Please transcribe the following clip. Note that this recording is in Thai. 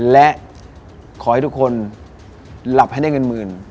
และขอให้ทุกคนหลับให้ได้เงินหมื่น